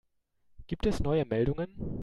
Gibt es neue Meldungen?